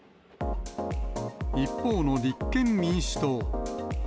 一方の立憲民主党。